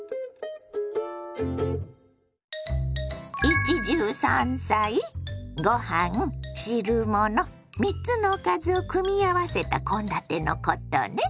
「一汁三菜」？ご飯汁物３つのおかずを組み合わせた献立のことね。